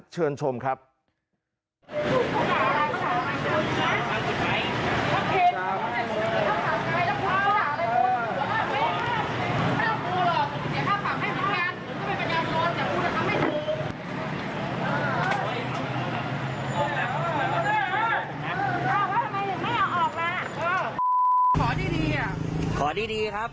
เชิญชมครับ